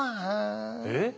えっ？